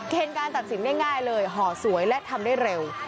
การตัดสินได้ง่ายเลยห่อสวยและทำได้เร็ว